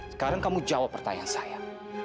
sekarang kamu jawab pertanyaan saya